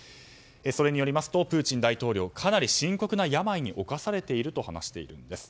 それによりますとプーチン大統領はかなり深刻な病に侵されていると話しているんです。